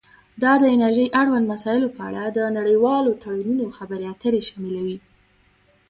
دا د انرژۍ اړوند مسایلو په اړه د نړیوالو تړونونو خبرې اترې شاملوي